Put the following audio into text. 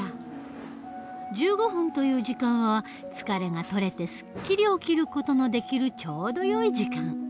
１５分という時間は疲れが取れてすっきり起きる事のできるちょうどよい時間。